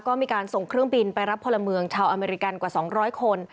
ก็มีการส่งเครื่องบินไปรับพลเมืองชาวอเมริกันกว่า๒๐๐คน